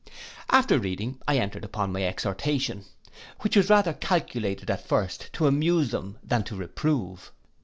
After reading, I entered upon my exhortation, which was rather calculated at first to amuse them than to reprove.